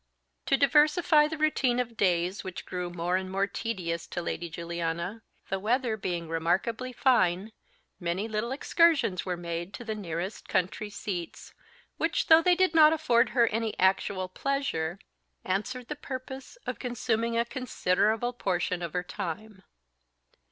To diversify the routine of days which grew more and more tedious to Lady Juliana, the weather being remarkably fine, many little excursions were made to the nearest country seats; which, though they did not afford her any actual pleasure, answered the purpose of consuming a considerable portion of her time.